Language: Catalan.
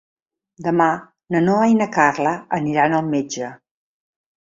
Demà na Noa i na Carla aniran al metge.